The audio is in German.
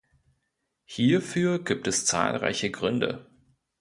Hierfür gibt es zahlreiche Gründe.